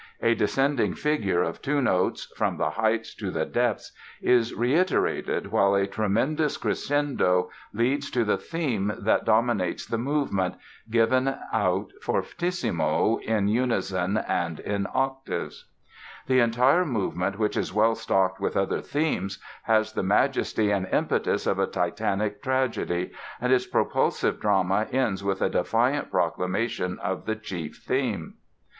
A descending figure of two notes, from the heights to the depths, is reiterated while a tremendous crescendo leads to the theme that dominates the movement, given out fortissimo in unison and octaves: [Illustration: play music] The entire movement, which is well stocked with other themes, has the majesty and impetus of a titanic tragedy, and its propulsive drama ends with a defiant proclamation of the chief theme.